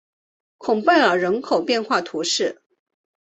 孔佩尔人口变化图示